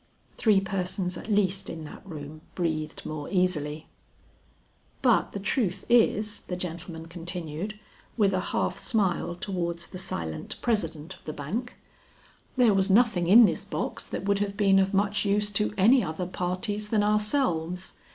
Three persons at least in that room breathed more easily. "But the truth is," the gentleman continued, with a half smile towards the silent President of the bank, "there was nothing in this box that would have been of much use to any other parties than ourselves.